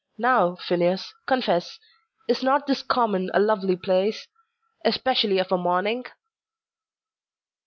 Now, Phineas, confess; is not this common a lovely place, especially of a morning?"